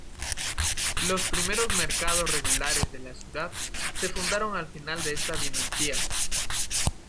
Los primeros mercados regulares de la ciudad se fundaron al final de esta dinastía.